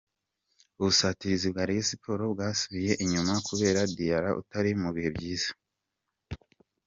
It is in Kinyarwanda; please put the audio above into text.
Ubusatirizi bwa Rayon Sports bwasubiye inyuma kubera Diarra utari mu bihe byiza.